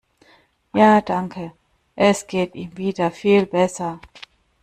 Ja danke, es geht im wieder viel besser.